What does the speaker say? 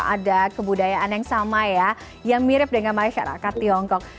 ada kebudayaan yang sama ya yang mirip dengan masyarakat tiongkok